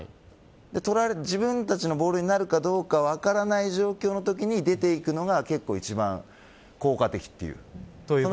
自分たちのボールになるかどうか分からない状況のときに出て行くのが結構一番効果的。